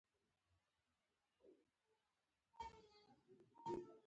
د ملک صاحب زلمی زوی نن په پېښه کې مړ شو.